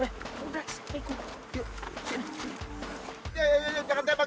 jangan tebak jangan tebak